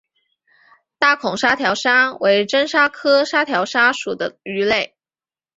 大孔沙条鲨为真鲨科沙条鲨属的鱼类。